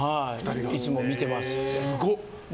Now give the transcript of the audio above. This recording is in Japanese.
いつも見てますって。